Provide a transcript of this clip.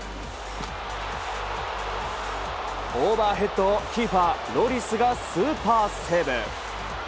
オーバーヘッドをキーパーロリスがスーパーセーブ。